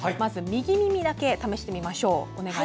右耳だけ試しましょう。